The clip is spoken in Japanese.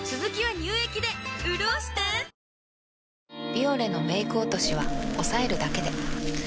「ビオレ」のメイク落としはおさえるだけで。